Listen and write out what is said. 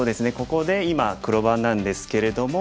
ここで今黒番なんですけれども。